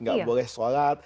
gak boleh sholat